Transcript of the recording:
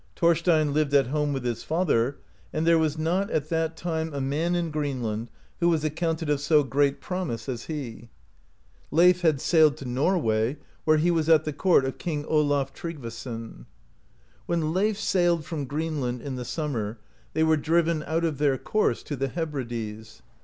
Thorstein lived at home with his father, and there was not at that time a man in Greenland who was accounted of so great promise as he. Leif had sailed (32) to Nor way, where he was at the court of King Olaf Tryggvason. When Leif sailed from Greenland, in the summer, they were driven out of their course to the Hebrides.